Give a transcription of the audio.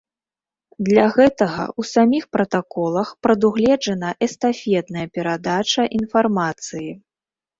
Для гэтага ў саміх пратаколах прадугледжана эстафетная перадача інфармацыі.